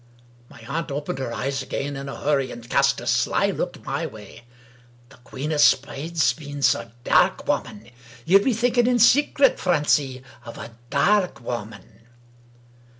My aunt opened her eyes again in a hurry, and cast a sly look my way. " The Queen o' Spades means a dairk woman. Ye'U be thinking in secret, Francie, of a dairk woman